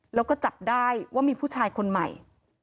แล้วก็จับได้ว่ามีผู้ชายคนใหม่